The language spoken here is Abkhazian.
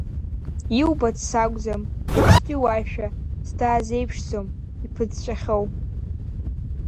Иубац сакәӡам иацтәи уашәа, сда азеиԥшьӡом иԥыҵәҵәахьоу.